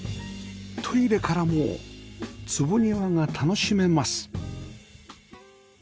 トイレからも坪庭が楽しめます